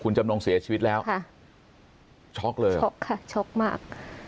คุณจำนงเสียชีวิตแล้วค่ะช็อคเลยช็อคค่ะช็อคมาก